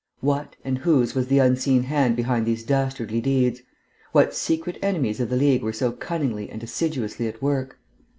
What and whose was the unseen hand behind these dastardly deeds? What secret enemies of the League were so cunningly and assiduously at work?